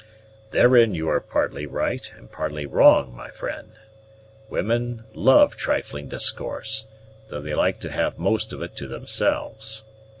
"Therein you are partly right and partly wrong, my friend. Women love trifling discourse, though they like to have most of it to themselves.